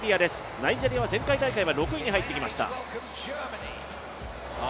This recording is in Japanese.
ナイジェリアは前回大会６位に入ってきました。